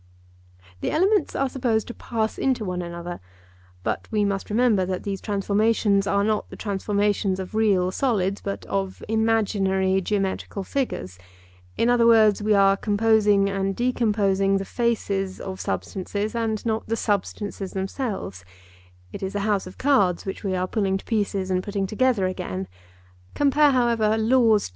The elements are supposed to pass into one another, but we must remember that these transformations are not the transformations of real solids, but of imaginary geometrical figures; in other words, we are composing and decomposing the faces of substances and not the substances themselves—it is a house of cards which we are pulling to pieces and putting together again (compare however Laws).